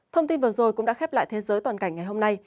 thông tin vừa rồi cũng đã khép lại thế giới toàn cảnh ngày hôm nay